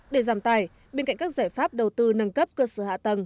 để giảm tài bên cạnh các giải pháp đầu tư nâng cấp cơ sở hạ tầng